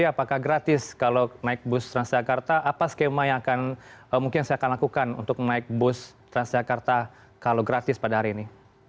apakah gratis kalau naik bus transjakarta apa skema yang akan mungkin saya akan lakukan untuk naik bus transjakarta kalau gratis pada hari ini